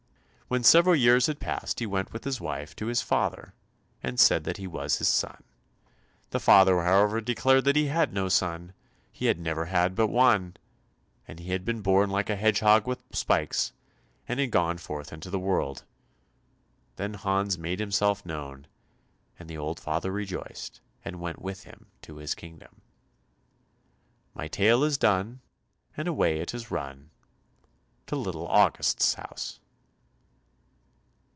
When several years had passed he went with his wife to his father, and said that he was his son. The father, however, declared he had no son he had never had but one, and he had been born like a hedgehog with spikes, and had gone forth into the world. Then Hans made himself known, and the old father rejoiced and went with him to his kingdom. My tale is done, And away it has run To little August's house.